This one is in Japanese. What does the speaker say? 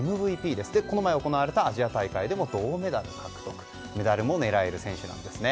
そしてこの前行われたアジア大会でも銅メダルとメダルも狙える選手なんですね。